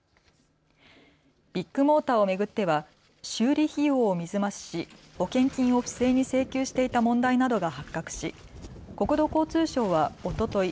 ビッグモーターを巡っては修理費用を水増しし保険金を不正に請求していた問題などが発覚し国土交通省はおととい